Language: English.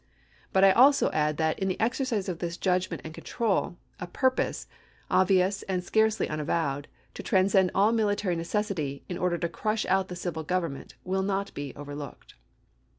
But I also add that in the exercise of this judgment Lillcoln and control, a purpose, obvious, and scarcely unavowed, to Huribut, to transcend all military necessity, in order to crush out 1864. ' ms. the civil government, will not be overlooked.